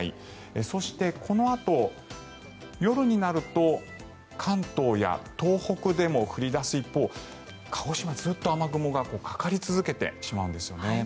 そして、このあと夜になると関東や東北でも降り出す一方鹿児島、ずっと雨雲がかかり続けてしまうんですよね。